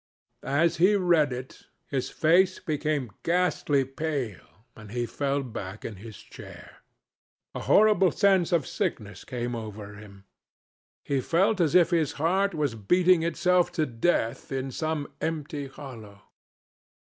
As he read it, his face became ghastly pale and he fell back in his chair. A horrible sense of sickness came over him. He felt as if his heart was beating itself to death in some empty hollow.